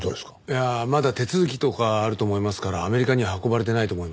いやまだ手続きとかあると思いますからアメリカには運ばれてないと思います。